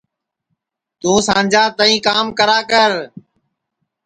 توں سانجا تائی کام کرا کر